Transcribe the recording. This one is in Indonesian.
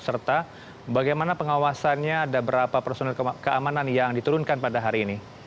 serta bagaimana pengawasannya ada berapa personil keamanan yang diturunkan pada hari ini